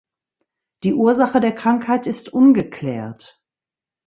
Die Ursache der Krankheit ist ungeklärt.